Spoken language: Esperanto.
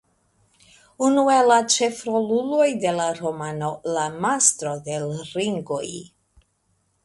Unu el la ĉefroluloj de la romano "La Mastro de l' Ringoj".